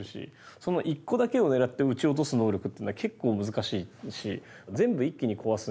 その１個だけを狙って撃ち落とす能力っていうのは結構難しいし全部一気に壊すにはね相当やばいことしないと。